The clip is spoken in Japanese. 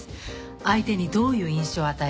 相手にどういう印象を与え